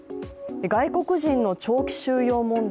外国人の長期収容問題